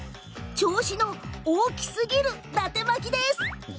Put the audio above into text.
銚子の大きすぎるだて巻きです！